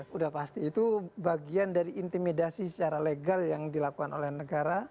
sudah pasti itu bagian dari intimidasi secara legal yang dilakukan oleh negara